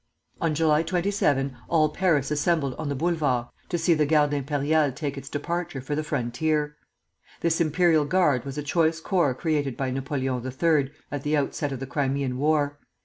On July 27 all Paris assembled on the Boulevards to see the Garde Impériale take its departure for the frontier. This Imperial Guard was a choice corps created by Napoleon III. at the outset of the Crimean War.